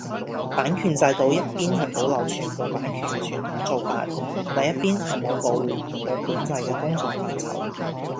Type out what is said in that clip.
版權制度一邊係保留全部版權嘅傳統做法，另一邊係冇保護，冇管制嘅公共範疇